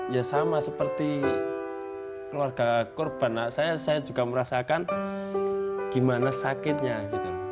ya sama seperti keluarga korban saya juga merasakan gimana sakitnya gitu